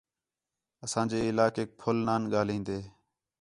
اساں جے علاقیک پُھل نان ڳاہلین٘دِن